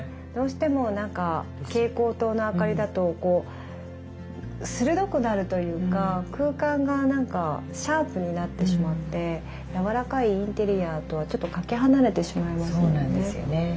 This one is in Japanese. どうしてもなんか蛍光灯のあかりだとこう鋭くなるというか空間がなんかシャープになってしまってやわらかいインテリアとはちょっとかけ離れてしまいますよね。